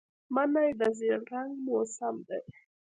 مني د زېړ رنګ موسم دی